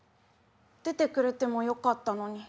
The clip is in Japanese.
出てくれてもよかったのに。